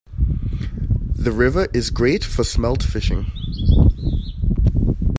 The river is great for smelt fishing.